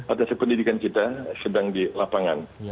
atas pendidikan kita sedang di lapangan